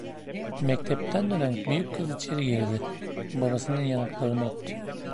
Mektepten dönen büyük kız içeri girdi, babasının yanaklarını öptü.